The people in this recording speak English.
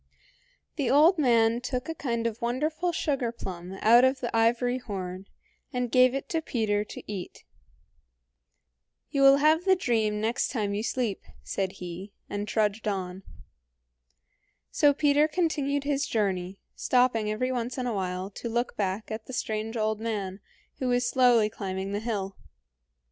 The old man took a kind of wonderful sugarplum out of the ivory horn, and gave it to Peter to eat. "You will have the dream next time you sleep," said he, and trudged on. So Peter continued his journey, stopping every once in a while to look back at the strange old man, who was slowly climbing the hill.